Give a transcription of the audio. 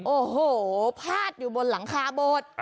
โอ้โหพาดอยู่บนหลังคาโบสถ์